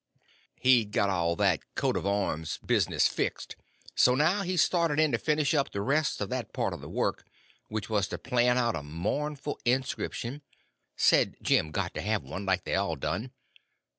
He'd got all that coat of arms business fixed, so now he started in to finish up the rest of that part of the work, which was to plan out a mournful inscription—said Jim got to have one, like they all done.